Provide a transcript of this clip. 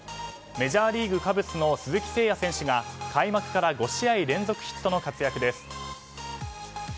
メジャーリーグ、カブスの鈴木誠也選手が開幕から５試合連続ヒットの活躍です。